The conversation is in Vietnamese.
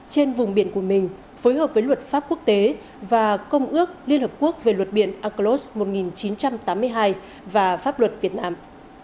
trên vùng biển của mình phối hợp với luật pháp quốc tế và công ước liên hợp quốc về luật biển auclos một nghìn chín trăm tám mươi hai và pháp luật việt nam